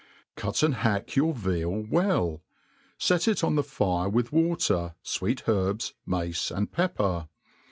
CUT and hack your veal well, fet it on the fire with water, f«treet herbs, mace, and pepper.